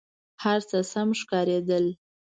هر څه سم ښکارېدل.